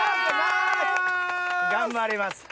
頑張ります！